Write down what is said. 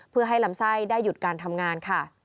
เพื่อให้ลำไส้ได้หยุดการทำงานค่ะ